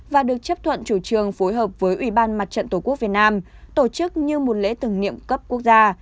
và được chấp thuận chủ trường phối hợp với ubnd tp hcm tổ chức như một lễ tưởng niệm cấp quốc gia